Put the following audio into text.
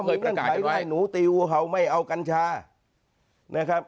มันก็มีเงื่อนไขที่ให้หนูตีอูเฮาไม่เอากัญชานะครับ